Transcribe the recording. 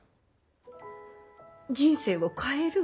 人生を変える？